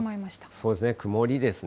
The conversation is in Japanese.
そうですね、曇りですね。